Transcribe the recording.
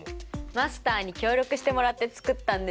マスターに協力してもらって作ったんですよ！